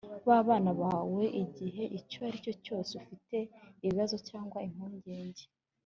b abana bawe igihe icyo ari cyo cyose ufite ibibazo cyangwa impungenge